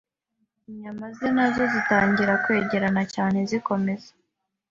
inyama ze nazo zitangira kwegerana cyane zikomeza.